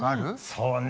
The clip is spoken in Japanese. そうね